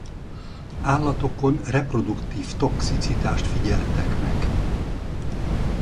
Állatokon reproduktív toxicitást figyeltek meg.